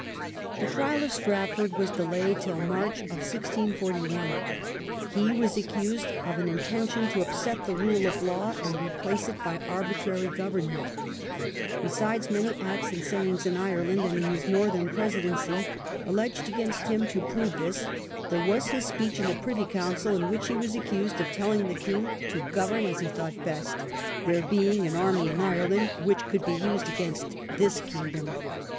The trial of Strafford was delayed till March, 1641. He was accused of an intention to upset the rule of law Trial of ^^^ replace it by arbitrary government. Strafford. Bcsidcs many acts and sayings,, in Ireland and in his Northern Presidency, alleged against him to prove this, there was his speech in the Privy Council, in which he was accused of telling the king to govern as he STRAFFORD'S ATTAINDER. 33 thought best, there being an army in Ireland which could be used against "this kingdom".